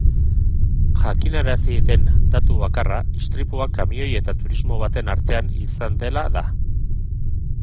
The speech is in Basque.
Jakinarazi den datu bakarra istripua kamioi eta turismo baten artean izan dela da.